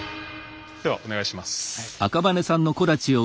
ではお願いします。